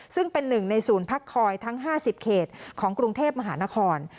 ซึ่งเป็นหนึ่งในศูนย์พักคอยทั้ง๕๐เขตของกรุงเทพมหานคร